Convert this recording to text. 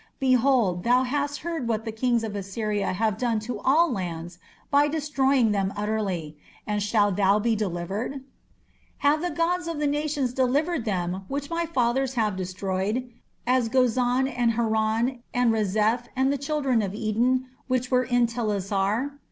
Behold, thou hast heard what the kings of Assyria have done to all lands by destroying them utterly; and shalt thou be delivered? Have the gods of the nations delivered them which my fathers have destroyed, as Gozan, and Haran, and Rezeph, and the children of Eden which were in Telassar?